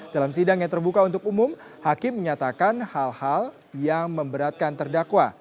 dalam sidang yang terbuka untuk umum hakim menyatakan hal hal yang memberatkan terdakwa